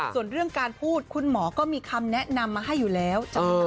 ส่วนเรื่องการพูดคุณหมอก็มีคำแนะนำมาให้อยู่แล้ว